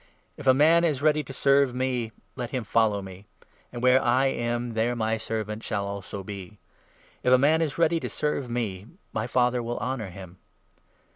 If a man is ready to serve me, let him follow me ; and 26 where I am, there my servant shall be also. If a man is ready to serve me, my Father will honour him.